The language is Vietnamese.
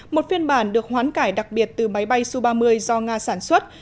một phiên bản được hoán cải đặc biệt từ máy bay su ba mươi do nga sản xuất